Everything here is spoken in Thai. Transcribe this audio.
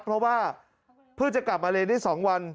เพราะว่าเพิ่งจะกลับมาเรียนได้๒วัน